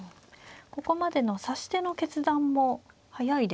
ここまでの指し手の決断も速いですよね。